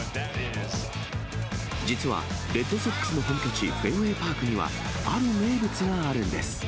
実はレッドソックスの本拠地、フェンウェイ・パークには、ある名物があるんです。